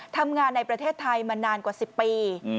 ทำงานในประเทศไทยมานานกว่า๑๐ปี